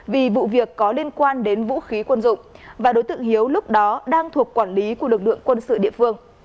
vì vụ việc có liên quan đến vũ khí quân dụng và đối tượng hiếu lúc đó đang thuộc quản lý của lực lượng quân sự địa phương